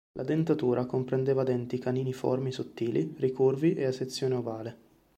La dentatura comprendeva denti caniniformi sottili, ricurvi e a sezione ovale.